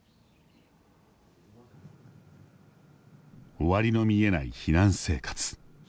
終わりの見えない避難生活。